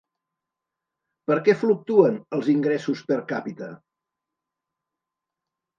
Per què fluctuen els ingressos per càpita?